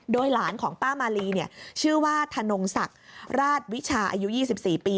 โดยหลานของป้ามาลีชื่อว่าธนงศักดิ์ราชวิชาอายุ๒๔ปี